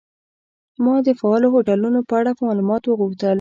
ما د فعالو هوټلونو په اړه معلومات وغوښتل.